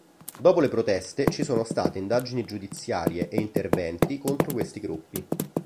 Dopo le proteste ci sono state indagini giudiziarie e interventi contro questi gruppi.